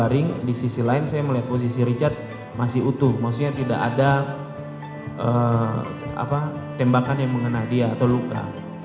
di sisi lain saya melihat posisi richard masih utuh maksudnya tidak ada tembakan yang mengena dia atau luka